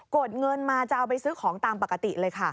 ดเงินมาจะเอาไปซื้อของตามปกติเลยค่ะ